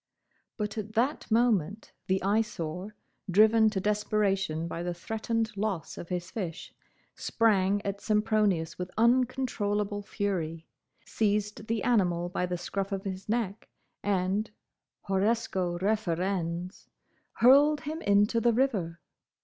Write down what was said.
But at that moment the Eyesore, driven to desperation by the threatened loss of his fish, sprang at Sempronius with uncontrollable fury, seized the animal by the scruff of his neck, and—horresco referens—hurled him into the river.